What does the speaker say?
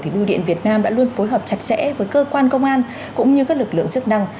thì bưu điện việt nam đã luôn phối hợp chặt chẽ với cơ quan công an cũng như các lực lượng chức năng